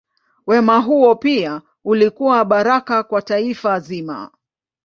Wema huo pia ulikuwa baraka kwa taifa zima.